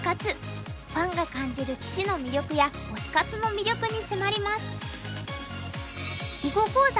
ファンが感じる棋士の魅力や推し活の魅力に迫ります。